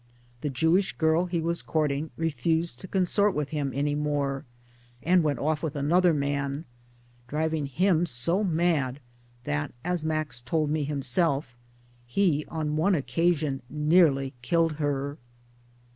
The Jewish girl he was courting refused to consort with him any more and went off with another man, driving him so mad that (as Max told me himself) he on one occasion nearly killed her.